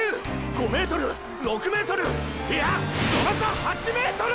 ５ｍ６ｍいやその差８ｍ！！